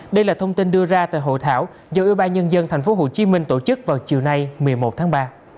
đây là thông tin đưa ra tại hội thảo do ủy ban nhân dân tp hcm tổ chức vào chiều nay một mươi một tháng ba